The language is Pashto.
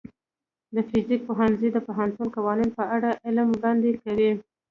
د فزیک پوهنځی د طبیعي قوانینو په اړه علم وړاندې کوي.